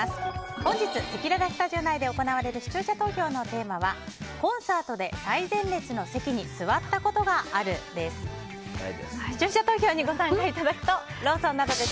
本日せきららスタジオ内で行われる視聴者投票のテーマはコンサートで最前列の席に座ったことがあるです。